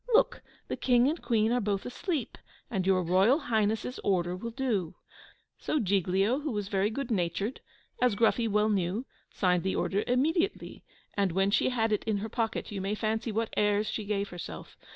Look! the King and Queen are both asleep, and your Royal Highness' order will do." So Giglio, who was very good natured as Gruffy well knew, signed the order immediately: and, when she had it in her pocket, you may fancy what airs she gave herself.